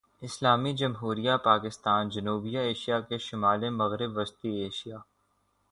اسلامی جمہوریہ پاکستان جنوبی ایشیا کے شمال مغرب وسطی ایشیا